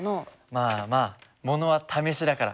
まあまあものは試しだから。